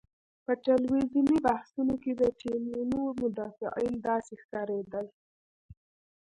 په ټلویزیوني بحثونو کې د ټیمونو مدافعین داسې ښکارېدل.